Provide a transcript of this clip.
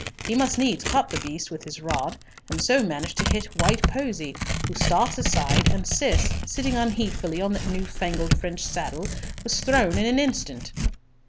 He must needs cut the beast with his rod, and so managed to hit White Posy, who starts aside, and Cis, sitting unheedfully on that new fangled French saddle, was thrown in an instant."